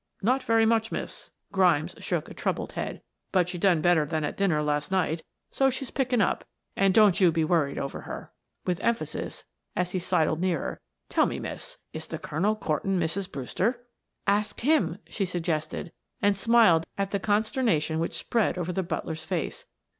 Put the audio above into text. "Not very much, miss." Grimes shook a troubled head. "But she done better than at dinner last night, so she's picking up, and don't you be worried over her," with emphasis, as he sidled nearer. "Tell me, miss, is the colonel courtin' Mrs. Brewster?" "Ask him," she suggested and smiled at the consternation which spread over the butler's face.